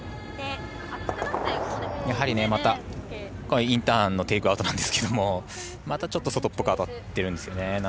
やはりまた、インターンのテイクアウトなんですけれどもまた外っぽく当たってるんですね。